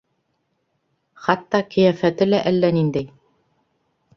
Хатта ҡиәфәте лә әллә ниндәй.